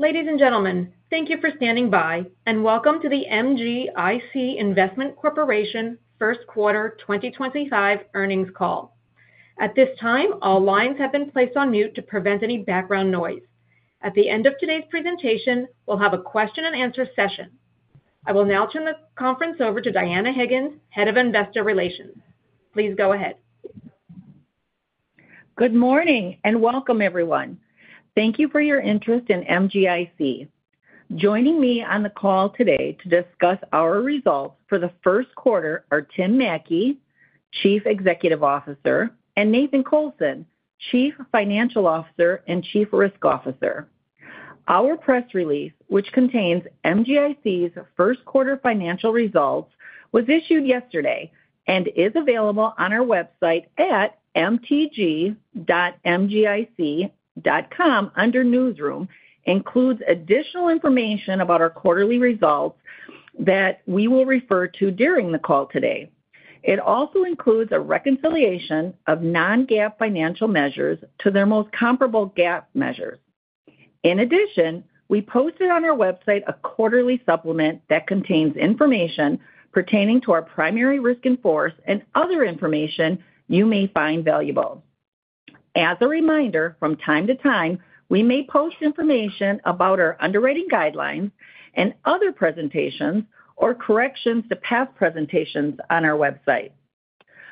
Ladies and gentlemen, thank you for standing by, and welcome to the MGIC Investment Corporation First Quarter 2025 earnings call. At this time, all lines have been placed on mute to prevent any background noise. At the end of today's presentation, we'll have a question-and-answer session. I will now turn the conference over to Dianna Higgins, Head of Investor Relations. Please go ahead. Good morning and welcome, everyone. Thank you for your interest in MGIC. Joining me on the call today to discuss our results for the first quarter are Tim Mattke, Chief Executive Officer, and Nathan Colson, Chief Financial Officer and Chief Risk Officer. Our press release, which contains MGIC's first quarter financial results, was issued yesterday and is available on our website at mtg.mgic.com under Newsroom, includes additional information about our quarterly results that we will refer to during the call today. It also includes a reconciliation of non-GAAP financial measures to their most comparable GAAP measures. In addition, we posted on our website a quarterly supplement that contains information pertaining to our primary risk in force and other information you may find valuable. As a reminder, from time to time, we may post information about our underwriting guidelines and other presentations or corrections to past presentations on our website.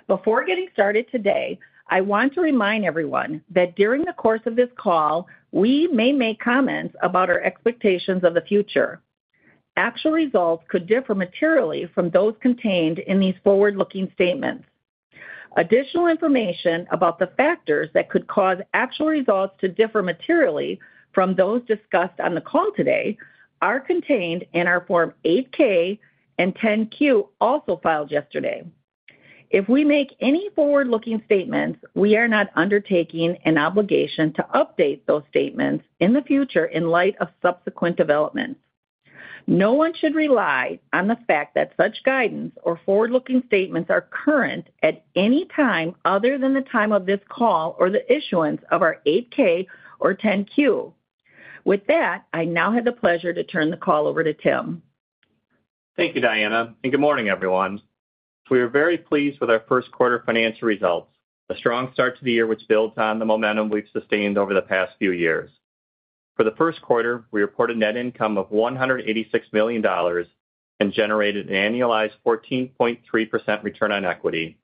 Before getting started today, I want to remind everyone that during the course of this call, we may make comments about our expectations of the future. Actual results could differ materially from those contained in these forward-looking statements. Additional information about the factors that could cause actual results to differ materially from those discussed on the call today is contained in our Form 8-K and 10-Q also filed yesterday. If we make any forward-looking statements, we are not undertaking an obligation to update those statements in the future in light of subsequent developments. No one should rely on the fact that such guidance or forward-looking statements are current at any time other than the time of this call or the issuance of our 8K or 10Q. With that, I now have the pleasure to turn the call over to Tim. Thank you, Dianna, and good morning, everyone. We are very pleased with our first quarter financial results, a strong start to the year which builds on the momentum we've sustained over the past few years. For the first quarter, we reported net income of $186 million and generated an annualized 14.3% return on equity.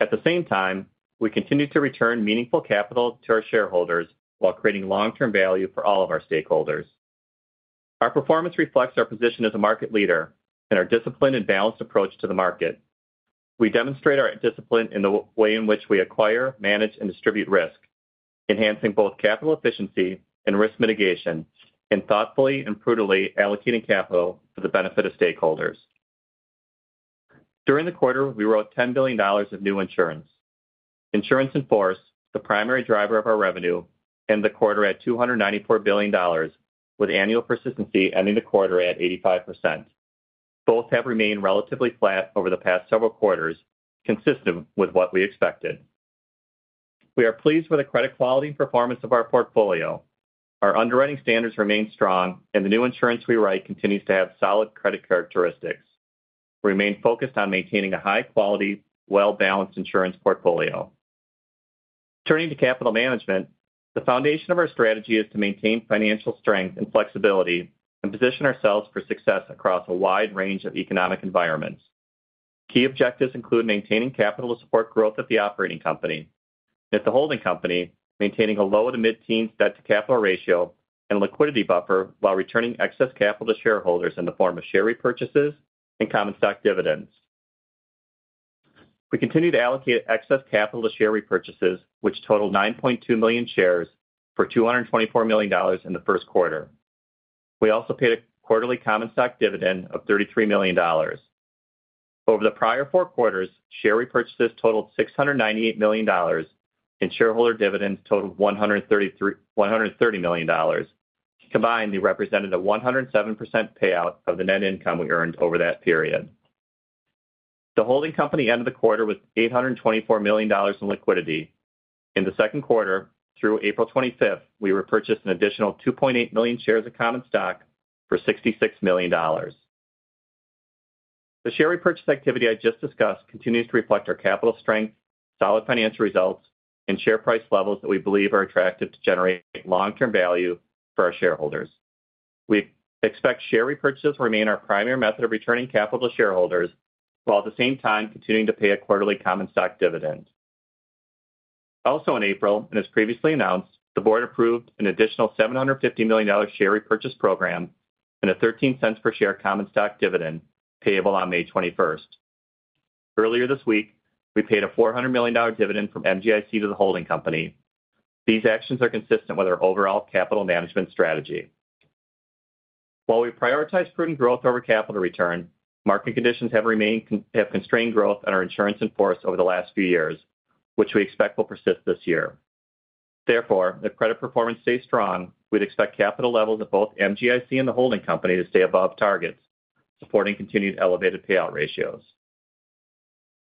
At the same time, we continue to return meaningful capital to our shareholders while creating long-term value for all of our stakeholders. Our performance reflects our position as a market leader and our disciplined and balanced approach to the market. We demonstrate our discipline in the way in which we acquire, manage, and distribute risk, enhancing both capital efficiency and risk mitigation and thoughtfully and prudently allocating capital for the benefit of stakeholders. During the quarter, we wrote $10 billion of new insurance. Insurance in force, the primary driver of our revenue, ended the quarter at $294 billion, with annual persistency ending the quarter at 85%. Both have remained relatively flat over the past several quarters, consistent with what we expected. We are pleased with the credit quality and performance of our portfolio. Our underwriting standards remain strong, and the new insurance we write continues to have solid credit characteristics. We remain focused on maintaining a high-quality, well-balanced insurance portfolio. Turning to capital management, the foundation of our strategy is to maintain financial strength and flexibility and position ourselves for success across a wide range of economic environments. Key objectives include maintaining capital to support growth at the operating company. At the holding company, maintaining a low to mid-teens debt-to-capital ratio and liquidity buffer while returning excess capital to shareholders in the form of share repurchases and common stock dividends. We continue to allocate excess capital to share repurchases, which totaled 9.2 million shares for $224 million in the first quarter. We also paid a quarterly common stock dividend of $33 million. Over the prior four quarters, share repurchases totaled $698 million and shareholder dividends totaled $130 million. Combined, they represented a 107% payout of the net income we earned over that period. The holding company ended the quarter with $824 million in liquidity. In the second quarter, through April 25th, we repurchased an additional 2.8 million shares of common stock for $66 million. The share repurchase activity I just discussed continues to reflect our capital strength, solid financial results, and share price levels that we believe are attractive to generate long-term value for our shareholders. We expect share repurchases to remain our primary method of returning capital to shareholders while at the same time continuing to pay a quarterly common stock dividend. Also, in April, and as previously announced, the board approved an additional $750 million share repurchase program and a $0.13 per share common stock dividend payable on May 21. Earlier this week, we paid a $400 million dividend from MGIC to the holding company. These actions are consistent with our overall capital management strategy. While we prioritize prudent growth over capital return, market conditions have constrained growth on our insurance in force over the last few years, which we expect will persist this year. Therefore, if credit performance stays strong, we would expect capital levels at both MGIC and the holding company to stay above targets, supporting continued elevated payout ratios.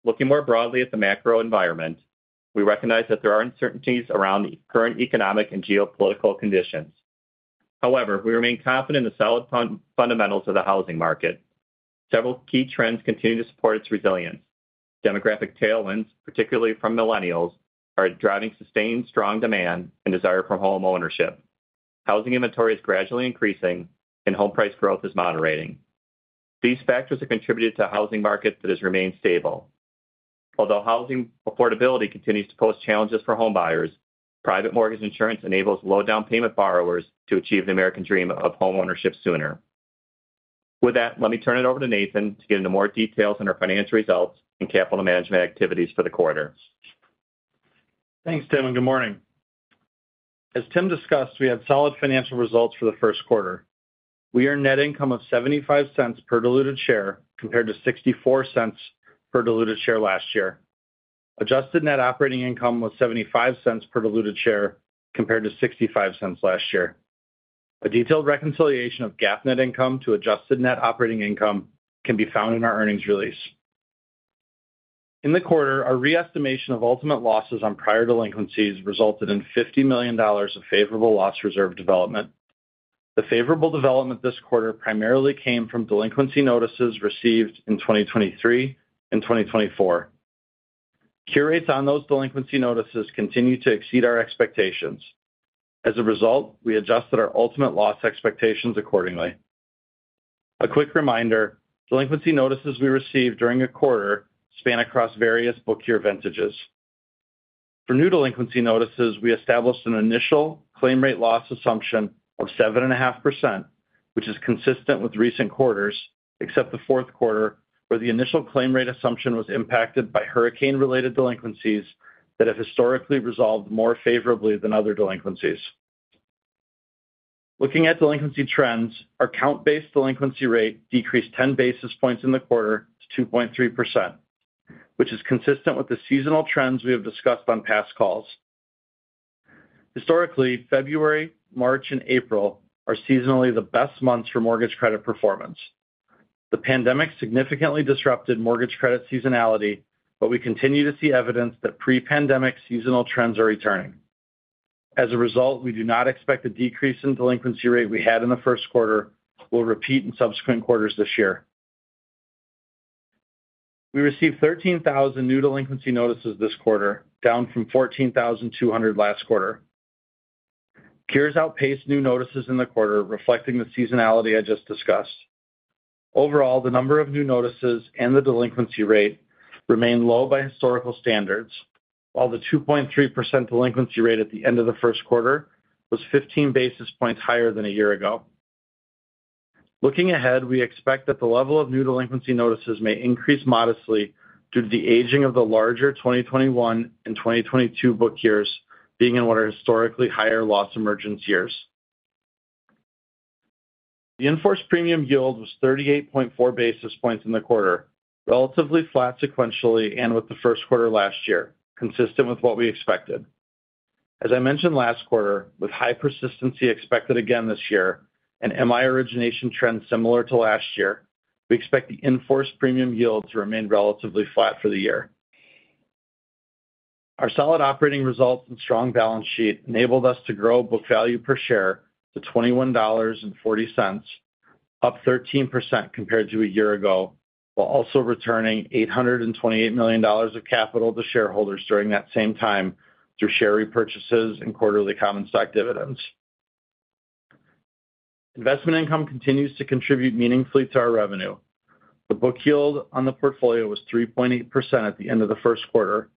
Looking more broadly at the macro environment, we recognize that there are uncertainties around the current economic and geopolitical conditions. However, we remain confident in the solid fundamentals of the housing market. Several key trends continue to support its resilience. Demographic tailwinds, particularly from millennials, are driving sustained strong demand and desire for home ownership. Housing inventory is gradually increasing, and home price growth is moderating. These factors have contributed to a housing market that has remained stable. Although housing affordability continues to pose challenges for home buyers, private mortgage insurance enables low down payment borrowers to achieve the American dream of home ownership sooner. With that, let me turn it over to Nathan to get into more details on our financial results and capital management activities for the quarter. Thanks, Tim, and good morning. As Tim discussed, we had solid financial results for the first quarter. We earned net income of $0.75 per diluted share compared to $0.64 per diluted share last year. Adjusted net operating income was $0.75 per diluted share compared to $0.65 last year. A detailed reconciliation of GAAP net income to adjusted net operating income can be found in our earnings release. In the quarter, our re-estimation of ultimate losses on prior delinquencies resulted in $50 million of favorable loss reserve development. The favorable development this quarter primarily came from delinquency notices received in 2023 and 2024. Cure rates on those delinquency notices continue to exceed our expectations. As a result, we adjusted our ultimate loss expectations accordingly. A quick reminder, delinquency notices we received during the quarter span across various book year vintages. For new delinquency notices, we established an initial claim rate loss assumption of 7.5%, which is consistent with recent quarters, except the fourth quarter where the initial claim rate assumption was impacted by hurricane-related delinquencies that have historically resolved more favorably than other delinquencies. Looking at delinquency trends, our count-based delinquency rate decreased 10 basis points in the quarter to 2.3%, which is consistent with the seasonal trends we have discussed on past calls. Historically, February, March, and April are seasonally the best months for mortgage credit performance. The pandemic significantly disrupted mortgage credit seasonality, but we continue to see evidence that pre-pandemic seasonal trends are returning. As a result, we do not expect the decrease in delinquency rate we had in the first quarter will repeat in subsequent quarters this year. We received 13,000 new delinquency notices this quarter, down from 14,200 last quarter. Cures outpaced new notices in the quarter, reflecting the seasonality I just discussed. Overall, the number of new notices and the delinquency rate remain low by historical standards, while the 2.3% delinquency rate at the end of the first quarter was 15 basis points higher than a year ago. Looking ahead, we expect that the level of new delinquency notices may increase modestly due to the aging of the larger 2021 and 2022 book years being in what are historically higher loss emergence years. The In-forced premium yield was 38.4 basis points in the quarter, relatively flat sequentially and with the first quarter last year, consistent with what we expected. As I mentioned last quarter, with high persistency expected again this year and MI origination trends similar to last year, we expect the In-forced premium yield to remain relatively flat for the year. Our solid operating results and strong balance sheet enabled us to grow book value per share to $21.40, up 13% compared to a year ago, while also returning $828 million of capital to shareholders during that same time through share repurchases and quarterly common stock dividends. Investment income continues to contribute meaningfully to our revenue. The book yield on the portfolio was 3.8% at the end of the first quarter,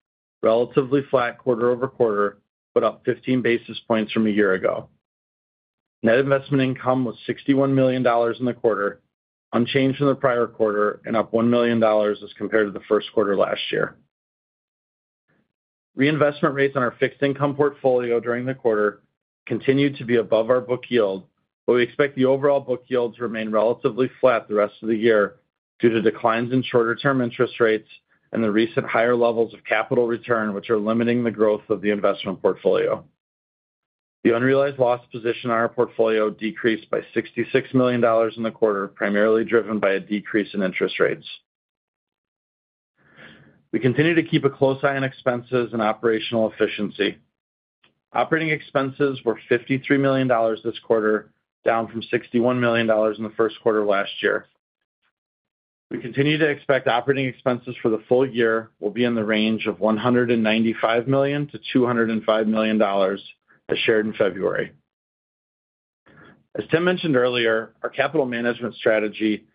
relatively flat quarter over quarter, but up 15 basis points from a year ago. Net investment income was $61 million in the quarter, unchanged from the prior quarter, and up $1 million as compared to the first quarter last year. Reinvestment rates on our fixed income portfolio during the quarter continued to be above our book yield, but we expect the overall book yield to remain relatively flat the rest of the year due to declines in shorter-term interest rates and the recent higher levels of capital return, which are limiting the growth of the investment portfolio. The unrealized loss position on our portfolio decreased by $66 million in the quarter, primarily driven by a decrease in interest rates. We continue to keep a close eye on expenses and operational efficiency. Operating expenses were $53 million this quarter, down from $61 million in the first quarter last year. We continue to expect operating expenses for the full year will be in the range of $195 million-$205 million as shared in February. As Tim mentioned earlier, our capital management strategy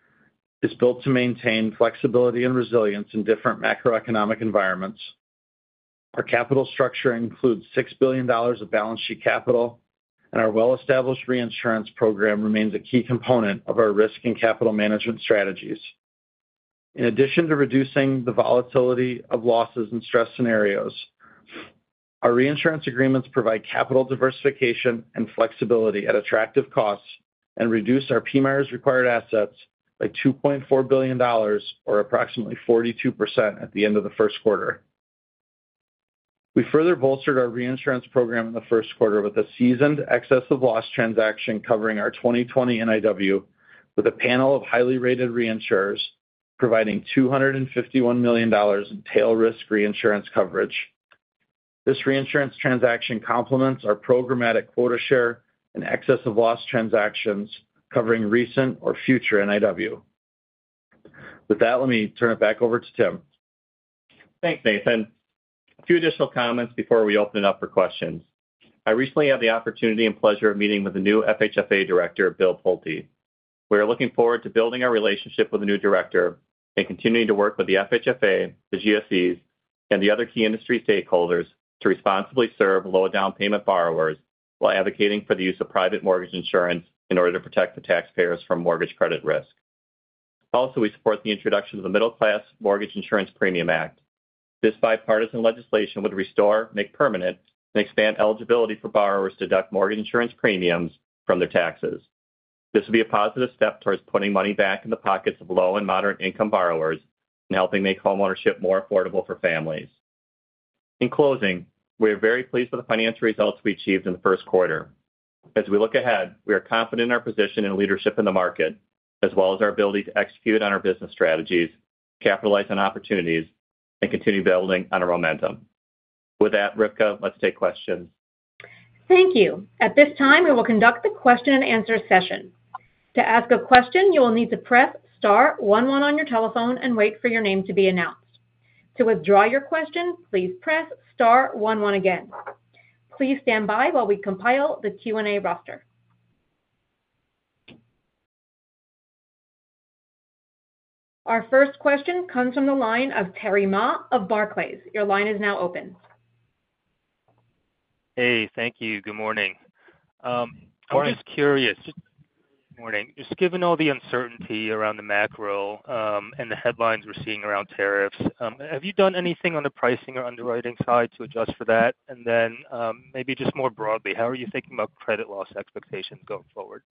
is built to maintain flexibility and resilience in different macroeconomic environments. Our capital structure includes $6 billion of balance sheet capital, and our well-established reinsurance program remains a key component of our risk and capital management strategies. In addition to reducing the volatility of losses in stress scenarios, our reinsurance agreements provide capital diversification and flexibility at attractive costs and reduce our PMIERs required assets by $2.4 billion, or approximately 42%, at the end of the first quarter. We further bolstered our reinsurance program in the first quarter with a seasoned excess loss transaction covering our 2020 NIW with a panel of highly rated reinsurers, providing $251 million in tail risk reinsurance coverage. This reinsurance transaction complements our programmatic quota share and excess loss transactions covering recent or future NIW. With that, let me turn it back over to Tim. Thanks, Nathan. A few additional comments before we open it up for questions. I recently had the opportunity and pleasure of meeting with the new FHFA director, Bill Pulte. We are looking forward to building our relationship with the new director and continuing to work with the FHFA, the GSEs, and the other key industry stakeholders to responsibly serve low-down payment borrowers while advocating for the use of private mortgage insurance in order to protect the taxpayers from mortgage credit risk. Also, we support the introduction of the Middle Class Mortgage Insurance Premium Act. This bipartisan legislation would restore, make permanent, and expand eligibility for borrowers to deduct mortgage insurance premiums from their taxes. This would be a positive step towards putting money back in the pockets of low and moderate-income borrowers and helping make homeownership more affordable for families. In closing, we are very pleased with the financial results we achieved in the first quarter. As we look ahead, we are confident in our position and leadership in the market, as well as our ability to execute on our business strategies, capitalize on opportunities, and continue building on our momentum. With that, Rivka, let's take questions. Thank you. At this time, we will conduct the question-and-answer session. To ask a question, you will need to press star 11 on your telephone and wait for your name to be announced. To withdraw your question, please press star 11 again. Please stand by while we compile the Q&A roster. Our first question comes from the line of Terry Ma of Barclays. Your line is now open. Hey, thank you. Good morning. I'm just curious. Just given all the uncertainty around the macro and the headlines we're seeing around tariffs, have you done anything on the pricing or underwriting side to adjust for that? Maybe just more broadly, how are you thinking about credit loss expectations going forward?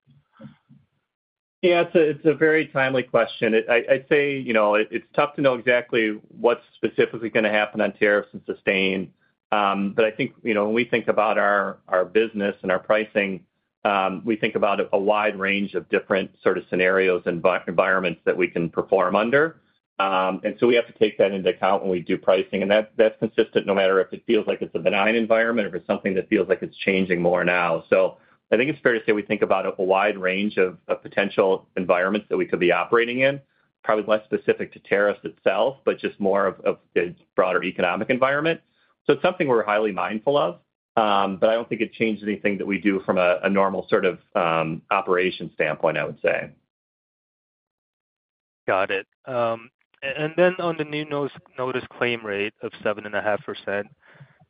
Yeah, it's a very timely question. I'd say it's tough to know exactly what's specifically going to happen on tariffs and sustain. I think when we think about our business and our pricing, we think about a wide range of different sort of scenarios and environments that we can perform under. We have to take that into account when we do pricing. That's consistent no matter if it feels like it's a benign environment or if it's something that feels like it's changing more now. I think it's fair to say we think about a wide range of potential environments that we could be operating in, probably less specific to tariffs itself, but just more of the broader economic environment. It is something we are highly mindful of, but I do not think it changes anything that we do from a normal sort of operation standpoint, I would say. Got it. On the new notice claim rate of 7.5%,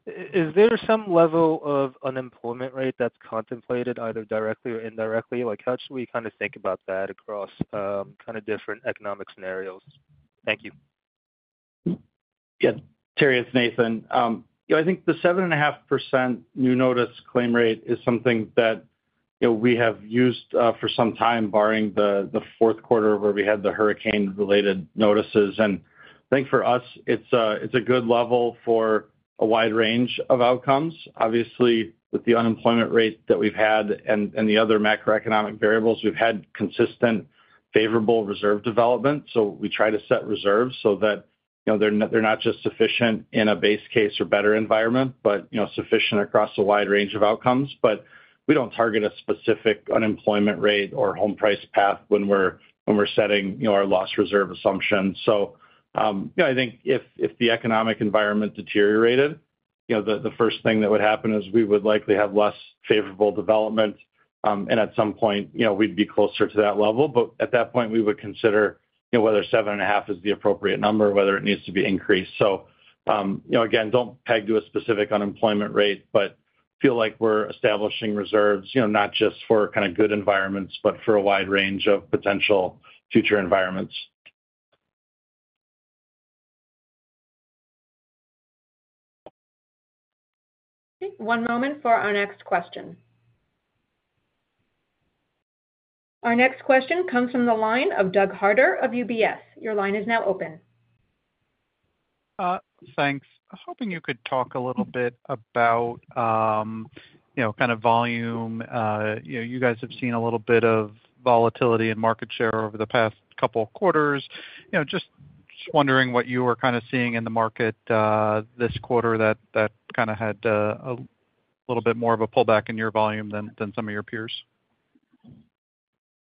is there some level of unemployment rate that's contemplated either directly or indirectly? How should we kind of think about that across different economic scenarios? Thank you. Yeah, Terry. It's Nathan. I think the 7.5% new notice claim rate is something that we have used for some time, barring the fourth quarter where we had the hurricane-related notices. I think for us, it's a good level for a wide range of outcomes. Obviously, with the unemployment rate that we've had and the other macroeconomic variables, we've had consistent favorable reserve development. We try to set reserves so that they're not just sufficient in a base case or better environment, but sufficient across a wide range of outcomes. We don't target a specific unemployment rate or home price path when we're setting our loss reserve assumption. I think if the economic environment deteriorated, the first thing that would happen is we would likely have less favorable development. At some point, we'd be closer to that level. At that point, we would consider whether 7.5 is the appropriate number, whether it needs to be increased. Again, do not peg to a specific unemployment rate, but feel like we are establishing reserves not just for kind of good environments, but for a wide range of potential future environments. Okay. One moment for our next question. Our next question comes from the line of Doug Harter of UBS. Your line is now open. Thanks. I was hoping you could talk a little bit about kind of volume. You guys have seen a little bit of volatility in market share over the past couple of quarters. Just wondering what you were kind of seeing in the market this quarter that kind of had a little bit more of a pullback in your volume than some of your peers.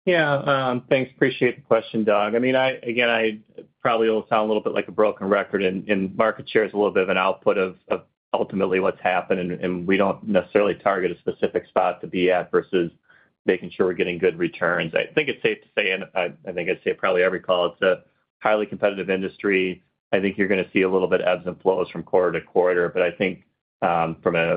Yeah. Thanks. Appreciate the question, Doug. I mean, again, I probably will sound a little bit like a broken record. Market share is a little bit of an output of ultimately what's happened. We do not necessarily target a specific spot to be at versus making sure we're getting good returns. I think it's safe to say, and I think I'd say probably every call, it's a highly competitive industry. I think you're going to see a little bit of ebbs and flows from quarter to quarter. I think from an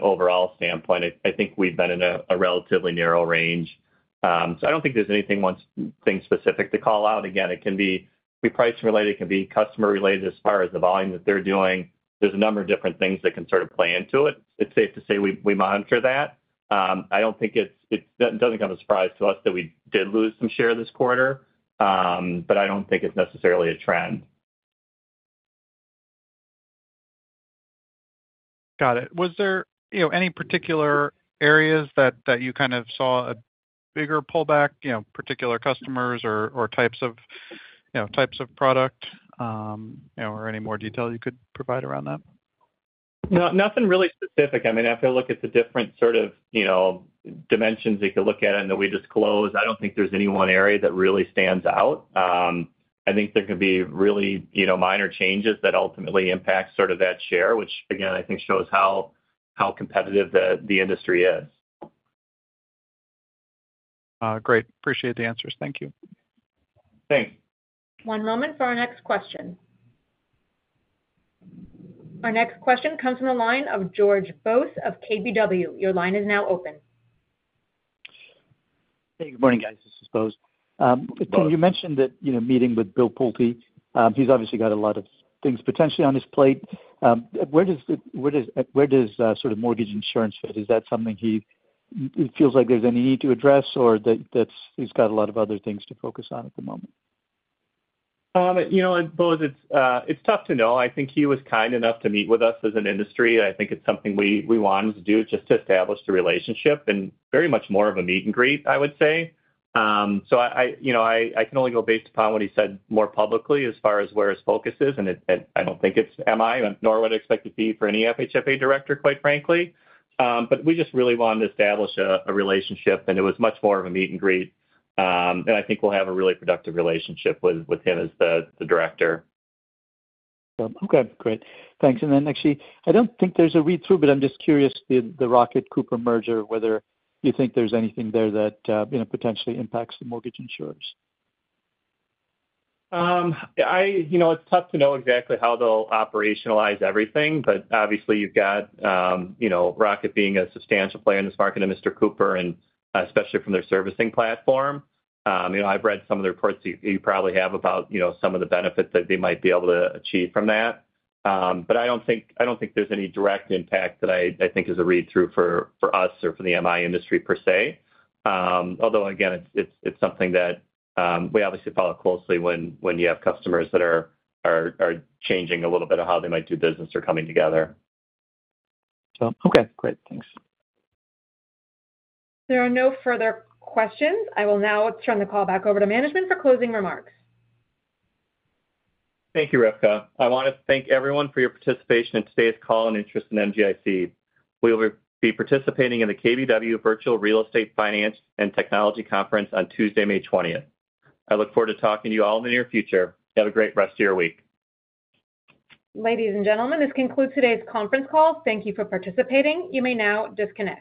overall standpoint, we've been in a relatively narrow range. I do not think there's anything one thing specific to call out. Again, it can be price-related. It can be customer-related as far as the volume that they're doing. There are a number of different things that can sort of play into it. It's safe to say we monitor that. I don't think it doesn't come as a surprise to us that we did lose some share this quarter, but I don't think it's necessarily a trend. Got it. Was there any particular areas that you kind of saw a bigger pullback, particular customers or types of product, or any more detail you could provide around that? Nothing really specific. I mean, if I look at the different sort of dimensions you could look at and that we disclose, I do not think there is any one area that really stands out. I think there could be really minor changes that ultimately impact sort of that share, which, again, I think shows how competitive the industry is. Great. Appreciate the answers. Thank you. Thanks. One moment for our next question. Our next question comes from the line of Bose George of KBW. Your line is now open. Hey, good morning, guys. This is Bose. Tim, you mentioned that meeting with Bill Pulte. He's obviously got a lot of things potentially on his plate. Where does sort of mortgage insurance fit? Is that something he feels like there's any need to address, or that he's got a lot of other things to focus on at the moment? Bose, it's tough to know. I think he was kind enough to meet with us as an industry. I think it's something we wanted to do just to establish the relationship and very much more of a meet and greet, I would say. I can only go based upon what he said more publicly as far as where his focus is. I don't think it's MI nor what I expect it to be for any FHFA director, quite frankly. We just really wanted to establish a relationship, and it was much more of a meet and greet. I think we'll have a really productive relationship with him as the director. Okay. Great. Thanks. Actually, I do not think there is a read-through, but I am just curious, the Rocket Cooper Merger, whether you think there is anything there that potentially impacts the mortgage insurers. It's tough to know exactly how they'll operationalize everything. Obviously, you've got Rocket being a substantial player in this market and Mr. Cooper, and especially from their servicing platform. I've read some of the reports you probably have about some of the benefits that they might be able to achieve from that. I don't think there's any direct impact that I think is a read-through for us or for the MI industry per se. Although, again, it's something that we obviously follow closely when you have customers that are changing a little bit of how they might do business or coming together. Okay. Great. Thanks. There are no further questions. I will now turn the call back over to management for closing remarks. Thank you, Rivka. I want to thank everyone for your participation in today's call and interest in MGIC. We will be participating in the KBW Virtual Real Estate Finance and Technology Conference on Tuesday, May 20. I look forward to talking to you all in the near future. Have a great rest of your week. Ladies and gentlemen, this concludes today's conference call. Thank you for participating. You may now disconnect.